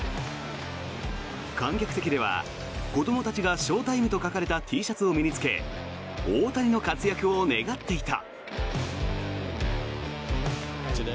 観客席では子どもたちがショータイムと書かれたＴシャツを身に着け大谷の活躍を願っていた。